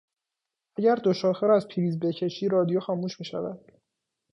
اگر دو شاخه را از پریز بکشی رادیو خاموش میشود.